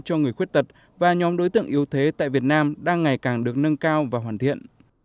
cho người khuyết tật và nhóm đối tượng yếu thế tại việt nam đang ngày càng được nâng cao và hoàn thiện